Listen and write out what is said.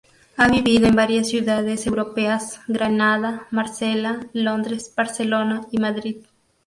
Ha vivido en varias ciudades europeas: Granada, Marsella, Londres, Barcelona y Madrid.